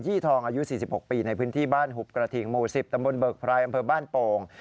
ทองอายุ๔๖ปีในพื้นที่บ้านหุบกระทิงหมู่๑๐ตำบลเบิกไพรอำเภอบ้านโป่ง